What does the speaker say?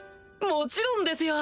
もちろんですよ。